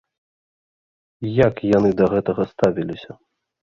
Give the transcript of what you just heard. Як яны да гэтага ставіліся?